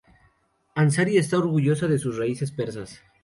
Ansari está orgullosa de sus raíces persas.